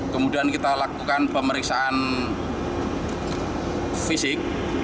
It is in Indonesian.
kemudian kita lakukan pemeriksaan fisik